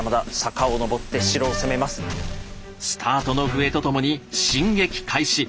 スタートの笛とともに進撃開始。